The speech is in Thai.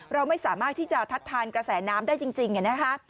เราไม่สามารถทักทานกระแสน้ำได้จริงอย่างนี้นะคะ